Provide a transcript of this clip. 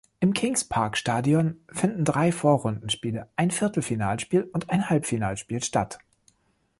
Im Kings-Park-Stadion fanden drei Vorrundenspiele, ein Viertelfinalspiel und ein Halbfinalspiel statt.